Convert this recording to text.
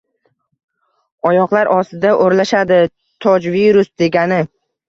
oyoqlar ostida oʼralashadi tojvirus degani